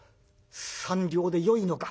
「３両でよいのか。